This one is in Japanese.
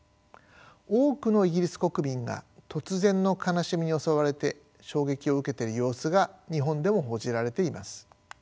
多くのイギリス国民が突然の悲しみに襲われて衝撃を受けている様子が日本でも報じられています。